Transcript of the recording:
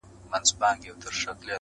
o خر پر درې گامه ځيني خطا کېږي٫